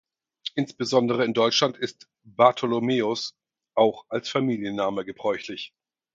Insbesondere in Deutschland ist "Bartholomäus" auch als Familienname gebräuchlich.